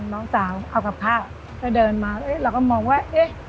น้องสาวเอากับข้าวก็เดินมาเอ๊ะเราก็มองว่าเอ๊ะ